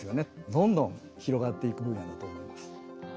どんどん広がっていく分野だと思います。